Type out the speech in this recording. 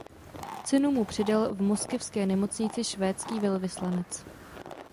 Cenu mu předal v moskevské nemocnici švédský velvyslanec.